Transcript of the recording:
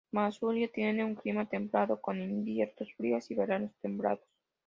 Masuria tiene un clima templado con inviernos fríos y veranos templados.